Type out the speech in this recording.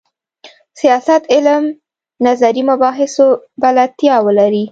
سیاست علم نظري مباحثو بلدتیا ولري.